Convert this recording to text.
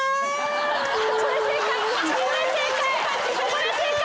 これ正解！